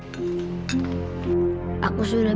saya sudah terburu buru